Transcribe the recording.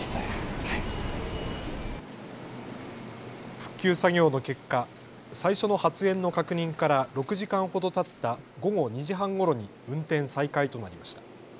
復旧作業の結果、最初の発煙の確認から６時間ほどたった午後２時半ごろに運転再開となりました。